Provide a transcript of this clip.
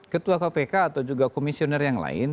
ketua kpk atau juga komisioner yang lain